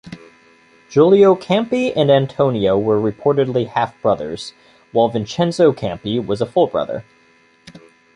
Giulio Campi and Antonio were reportedly half-brothers, while Vincenzo Campi was a full brother.